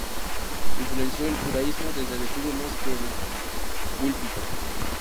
Influenció el Judaísmo desde el estudio más que desde el púlpito.